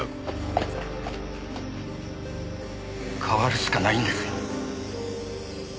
変わるしかないんですよ。